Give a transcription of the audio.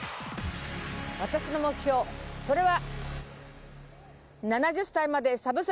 私の目標、それは。